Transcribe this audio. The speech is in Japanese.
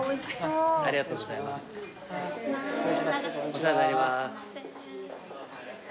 お世話になります。